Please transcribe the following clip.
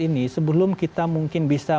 ini sebelum kita mungkin bisa